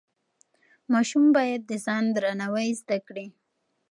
ماشوم باید د ځان درناوی زده کړي.